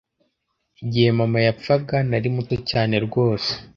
Igihe Mama yapfaga Nari muto cyane rwose